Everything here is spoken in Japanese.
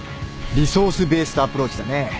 リソースベーストアプローチだね。